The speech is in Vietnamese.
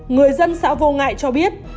người dân xã vô ngại cho biết